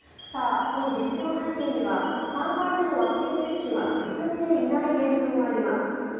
この実施の背景には３回目のワクチン接種が進んでいない現状があります。